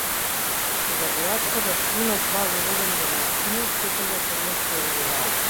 Кога пејачата Туна слави роденден на синот, секогаш е нешто оргинално